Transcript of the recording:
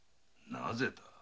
なぜだ？